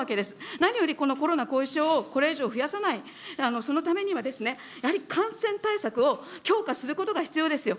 何より、このコロナ後遺症をこれ以上増やさない、そのためには、やはり感染対策を強化することが必要ですよ。